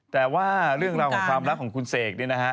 แต่ว่าเรื่องราวของความรักของคุณเสกเนี่ยนะฮะ